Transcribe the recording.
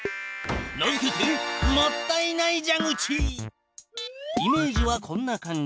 名付けてイメージはこんな感じ。